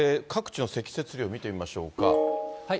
各地の積雪量見てみましょうか。